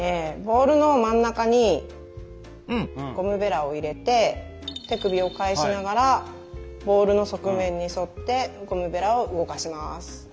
ボウルの真ん中にゴムベラを入れて手首を返しながらボウルの側面に沿ってゴムベラを動かします。